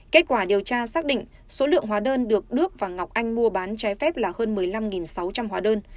kết quả điều tra xác định số lượng hóa đơn được đức và ngọc anh mua bán trái phép là hơn một mươi năm sáu trăm linh hóa đơn